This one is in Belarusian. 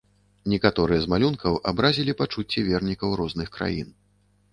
Некаторыя з малюнкаў абразілі пачуцці вернікаў розных краін.